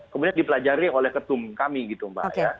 kemudian dipelajari oleh ketum kami gitu mbak ya